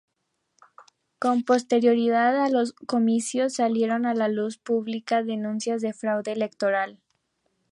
Con posterioridad a los comicios, salieron a la luz pública denuncias de fraude electoral.